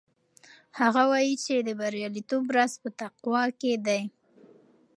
هغه وایي چې د بریالیتوب راز په تقوا کې دی.